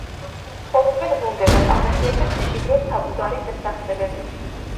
ცხოვრობენ გუნდებად, ახასიათებთ მჭიდრო საბუდარი დასახლებები.